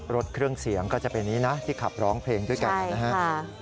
รถเครื่องเสียงก็จะเป็นนี้นะที่ขับร้องเพลงด้วยกันนะครับ